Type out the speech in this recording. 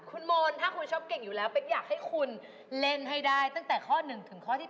คุณมนต์ถ้าคุณชอบเก่งอยู่แล้วเป๊กอยากให้คุณเล่นให้ได้ตั้งแต่ข้อ๑ถึงข้อที่๓